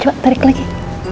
coba tarik lagi